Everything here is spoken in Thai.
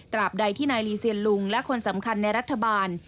บใดที่นายลีเซียนลุงและคนสำคัญในรัฐบาล